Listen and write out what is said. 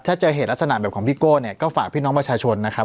ถ้าเจอเหตุลักษณะแบบของพี่โก้เนี่ยก็ฝากพี่น้องประชาชนนะครับ